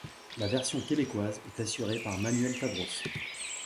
La version québécoise est assurée par Manuel Tadros.